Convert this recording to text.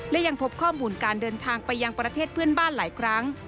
และยังพบข้อมูลการเดินทางไปยังประเทศเพื่อนบ้านหลายครั้ง